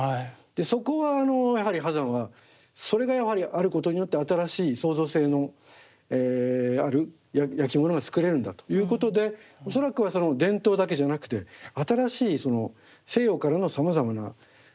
そこはやはり波山はそれがやはりあることによって新しい創造性のあるやきものが作れるんだということで恐らくはその伝統だけじゃなくて新しい西洋からのさまざまな技術デザイン。